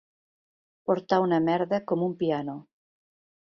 Portar una merda com un piano.